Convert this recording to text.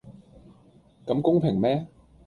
咁公平咩?